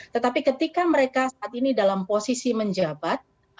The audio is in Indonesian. tetapi ketika mereka saat ini dalam posisi menjabat